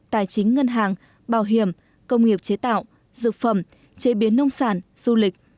tài chính ngân hàng bảo hiểm công nghiệp chế tạo dược phẩm chế biến nông sản du lịch